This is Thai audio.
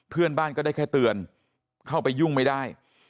เพื่อนบ้านก็ได้แค่เตือนเข้าไปยุ่งไม่ได้